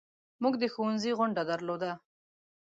موږ د ښوونځي غونډه درلوده.